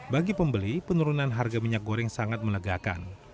bagi pembeli penurunan harga minyak goreng sangat menegakkan